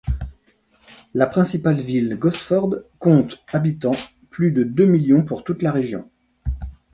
La principale ville, Gosford, compte habitants, plus de deux millions pour toute la région.